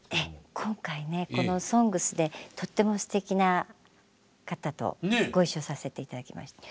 今回ねこの「ＳＯＮＧＳ」でとってもすてきな方とご一緒させて頂きました。